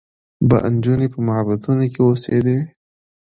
به نجونې په معبدونو کې اوسېدې